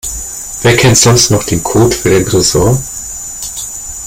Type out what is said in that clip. Wer kennt sonst noch den Code für den Tresor?